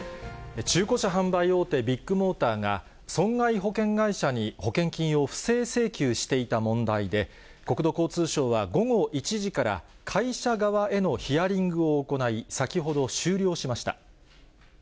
中古車販売大手、ビッグモーターが、損害保険会社に保険金を不正請求していた問題で、国土交通省は午後１時から、会社側へのヒアリングを行い、先ほど終了しました。